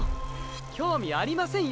興味ありませんよ